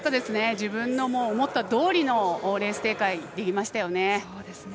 自分の思ったとおりのレース展開できましたよね。